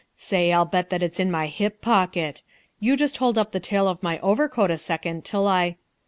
Say, I'll bet that it's in my hip pocket. You just hold up the tail of my overcoat a second till I...."